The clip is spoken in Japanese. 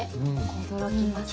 驚きますね。